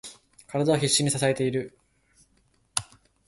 体は必死に支えている。